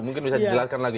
mungkin bisa dijelaskan lagi